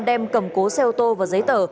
đem cầm cố xe ô tô và giấy tờ